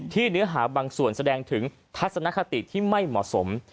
เนื้อหาบางส่วนแสดงถึงทัศนคติที่ไม่เหมาะสม